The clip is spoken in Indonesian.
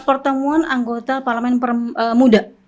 pertemuan anggota parlamen muda